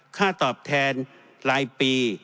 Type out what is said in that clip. ค่าตอบแทนรายปี